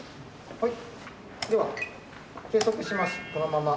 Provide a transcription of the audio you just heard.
はい。